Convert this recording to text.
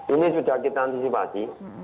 ini sudah kita antisipasi